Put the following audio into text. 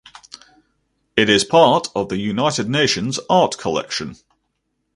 It is part of the United Nations Art Collection.